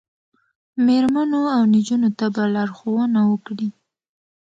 میرمنو او نجونو ته به لارښوونه وکړي